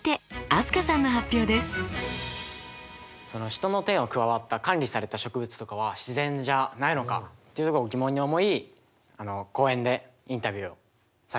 人の手が加わった管理された植物とかは自然じゃないのかっていうとこを疑問に思い公園でインタビューをさせていただきました。